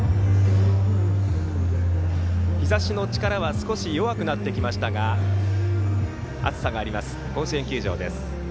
日ざしの力は少し弱くなってきましたが暑さがあります、甲子園球場。